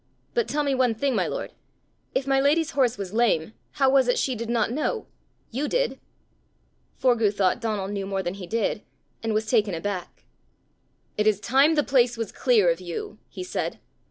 But tell me one thing, my lord: if my lady's horse was lame, how was it she did not know? You did!" Forgue thought Donal knew more than he did, and was taken aback. "It is time the place was clear of you!" he said.